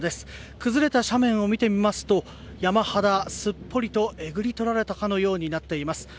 崩れた斜面を見てみますと山肌すっぽりえぐり取られたようになっています。